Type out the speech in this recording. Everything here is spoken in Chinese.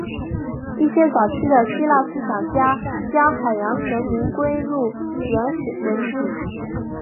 一些早期的希腊思想家将海洋神明归入原始神只。